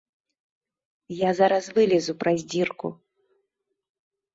Я зараз вылезу праз дзірку.